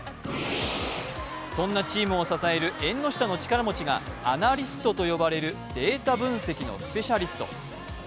そんなチームを支える縁の下の力持ちがアナリストと呼ばれるデータ分析のスペシャリスト。